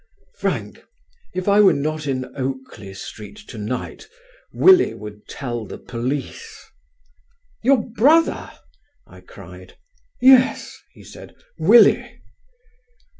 "Frank, if I were not in Oakley Street to night Willie would tell the police." "Your brother?" I cried. "Yes," he said, "Willie."